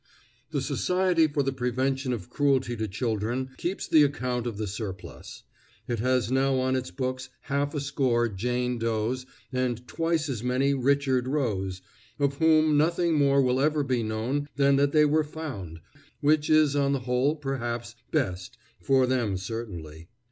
The Society for the Prevention of Cruelty to Children keeps the account of the surplus. It has now on its books half a score Jane Does and twice as many Richard Roes, of whom nothing more will ever be known than that they were found, which is on the whole, perhaps, best for them certainly.